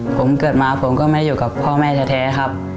ผมเกิดมาผมก็ไม่อยู่กับพ่อแม่แท้ครับ